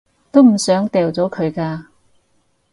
都唔想掉咗佢㗎